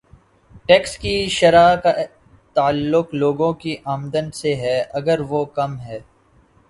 Tax کی شرح کا تعلق لوگوں کی آمدن سے ہے اگر وہ کم ہے۔